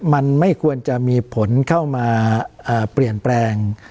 มันไม่ควรจะมีผลเข้ามาเปลี่ยนแปลง